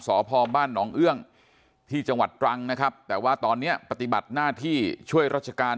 สพบ้านหนองเอื้องที่จังหวัดตรังนะครับแต่ว่าตอนนี้ปฏิบัติหน้าที่ช่วยราชการ